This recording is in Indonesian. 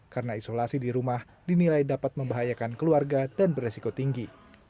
karena isolasi di rumah dinilai dapat membahayakan keluarga dan beresiko tinggi